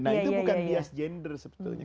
nah itu bukan bias gender sebetulnya